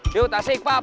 yuk tasik pa